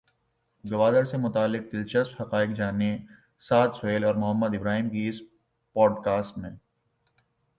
گوادر سے متعلق دلچسپ حقائق جانیے سعد سہیل اور محمد ابراہیم کی اس پوڈکاسٹ میں۔